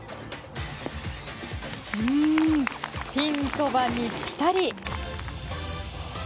ピンそばにピタリ。